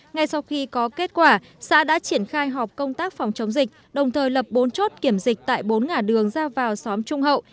ngay sau khi có kết quả xã đã triển khai họp công tác phòng chống dịch đồng thời lập bốn chốt kiểm dịch tại bốn ngã đường ra vào xóm trung hậu